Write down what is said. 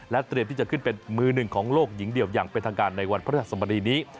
เตรียมที่จะขึ้นเป็นมือหนึ่งของโลกหญิงเดี่ยวอย่างเป็นทางการในวันพระราชสมดีนี้